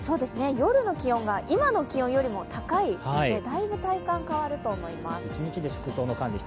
夜の気温が今の気温よりも高いのでだいぶ体感が変わると思います。